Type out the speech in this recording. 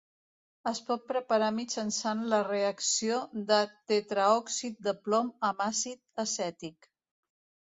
Es pot preparar mitjançant la reacció de tetraòxid de plom amb àcid acètic.